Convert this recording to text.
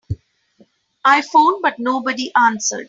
I phoned but nobody answered.